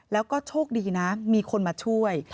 แล้วก็โชคดีนะมีคนมาช่วย